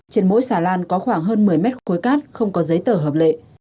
trên mỗi xà lan có khoảng hơn một mươi mét khối cát không có giấy tờ hợp lệ